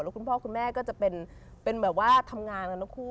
และคุณพ่อคุณแม่จะเป็นทำงานกันทั้งคู่